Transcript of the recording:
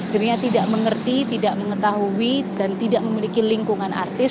dirinya tidak mengerti tidak mengetahui dan tidak memiliki lingkungan artis